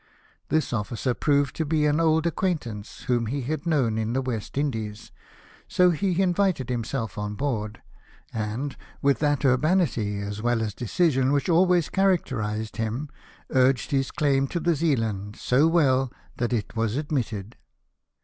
This officer proved to be an old ac quaintance, whom he had known in the West Indies, so he invited himself on board; and, with that urbanity, as well as decision, which always character ised him, urged his claim to the Zealand so well that it was admitted.